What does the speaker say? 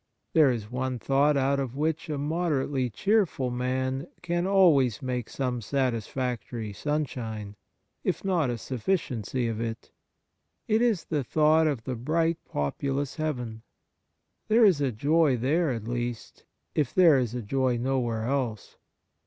There is one thought out of which a moderately cheerful man can always make some satisfactory sunshine, if not a sufficiency of it. It is the thought of the bright populous heaven. There is a joy there at least, if there is a joy now^here else.